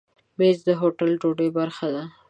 مېز د هوټل د ډوډۍ برخه ده.